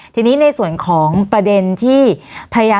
วันนี้แม่ช่วยเงินมากกว่า